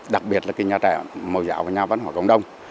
đặc biệt là cái nhà trẻ màu dạo và nhà văn hóa cộng đồng